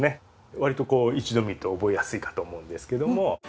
割とこう一度見ると覚えやすいかと思うんですけども。